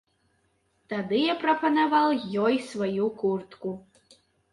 Тады я прапанаваў ёй сваю куртку.